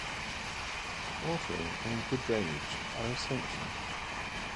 Watering and good drainage are essential.